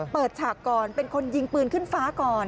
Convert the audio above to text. ฉากก่อนเป็นคนยิงปืนขึ้นฟ้าก่อน